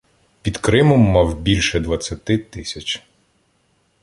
— Під Кримом мав більше двадцяти тисяч.